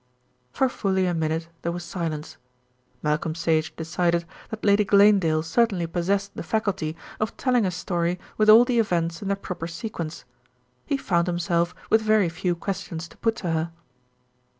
For fully a minute there was silence. Malcolm Sage decided that Lady Glanedale certainly possessed the faculty of telling a story with all the events in their proper sequence. He found himself with very few questions to put to her.